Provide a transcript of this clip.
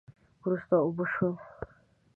وروسته اوبه شول